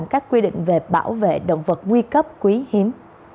các quy định về bảo vệ động vật nguy cấp quý hiếm